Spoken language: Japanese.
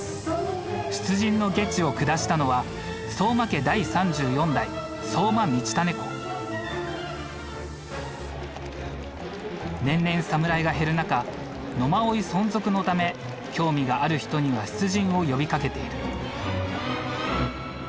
出陣の下知を下したのは年々侍が減る中野馬追存続のため興味がある人には出陣を呼びかけている。